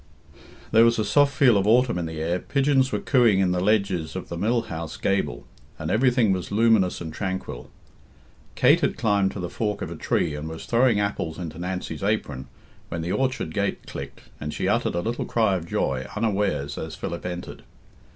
There was a soft feel of autumn in the air, pigeons were cooing in the ledges of the mill house gable, and everything was luminous and tranquil. Kate had climbed to the fork of a tree, and was throwing apples into Nancy's apron, when the orchard gate clicked, and she uttered a little cry of joy unawares as Philip entered.